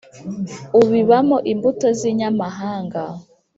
ububibamo imbuto z’inyamahanga.